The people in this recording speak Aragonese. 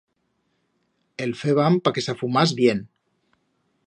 El feban pa que s'afumás bien.